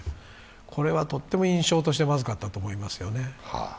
これはとっても印象としてまずかったと思いますよね。